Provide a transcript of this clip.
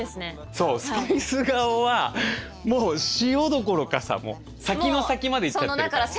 そうスパイス顔はもう塩どころかさ先の先まで行っちゃってるから。